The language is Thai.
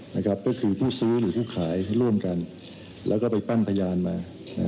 นะครับก็คือผู้ซื้อหรือผู้ขายร่วมกันแล้วก็ไปปั้นพยานมา